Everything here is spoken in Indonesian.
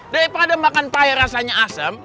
daripada makan payah rasanya asem